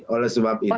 oleh sebab itu